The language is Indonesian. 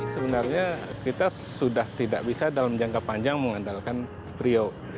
sebenarnya kita sudah tidak bisa dalam jangka panjang mengandalkan priok